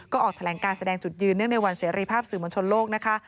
ก็ออกแถลงการแสดงจุดยืนเนื่องในวันเสรีภาพสื่อมวลชนโลกนะคะ